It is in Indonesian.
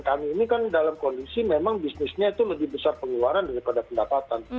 kami ini kan dalam kondisi memang bisnisnya itu lebih besar pengeluaran daripada pendapatan